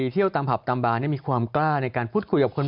เที่ยวตามผับตามบาร์มีความกล้าในการพูดคุยกับคน